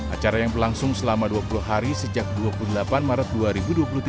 acara yang berlangsung selama dua puluh hari sejak dua puluh delapan maret dua ribu dua puluh tiga